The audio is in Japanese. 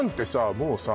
もうさ